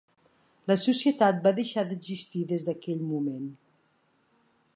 La societat va deixar d'existir des d'aquell moment.